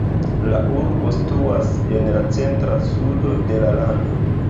La urbo situas en la centra sudo de la lando.